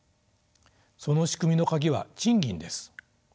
その仕組みの鍵は賃金です。